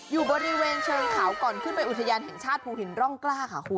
อยู่บริเวณเชิงเขาก่อนขึ้นไปอุทยานแห่งชาติภูหินร่องกล้าค่ะคุณ